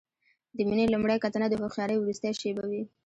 د مینې لومړۍ کتنه د هوښیارۍ وروستۍ شېبه وي.